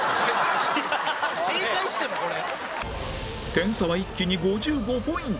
点差は一気に５５ポイント